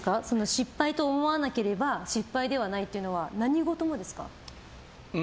失敗と思わなければ失敗ではないというのは何事もですか？